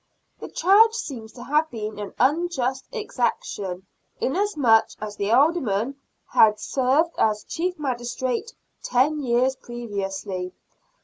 The charge seems to have been an unjust exaction, inasmuch as the Alderman had served as chief magistrate ten years previously.